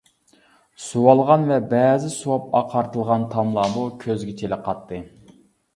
سۇۋالغان ۋە بەزى سۇۋاپ ئاقارتىلغان تاملارمۇ كۆزگە چېلىقاتتى.